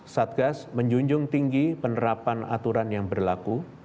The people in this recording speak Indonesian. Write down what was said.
satgas menjunjung tinggi penerapan aturan yang berlaku